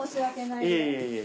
いえいえいえ。